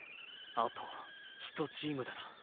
あと１チームだな。